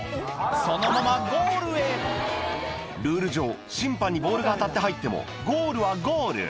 そのままルール上審判にボールが当たって入ってもゴールはゴール